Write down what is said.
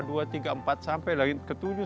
dua tiga empat sampai langit ketujuh